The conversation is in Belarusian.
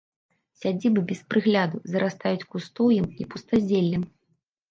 Сядзібы без прыгляду зарастаюць кустоўем і пустазеллем.